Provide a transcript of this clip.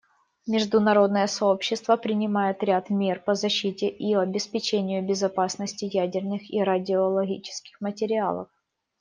Международное сообщество принимает ряд мер по защите и обеспечению безопасности ядерных и радиологических материалов.